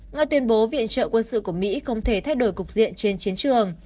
nga tuyên bố viện trợ quân sự của mỹ không thể thay đổi cục diện trên chiến trường